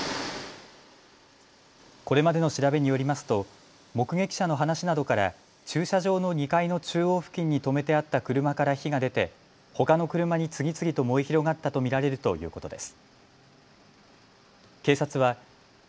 これまでの調べによりますと目撃者の話などから駐車場の２階の中央付近に止めてあった車から火が出てほかの車に次々と燃え広がったと見られるということです。